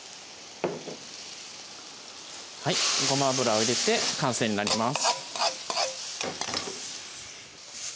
ごま油を入れて完成になります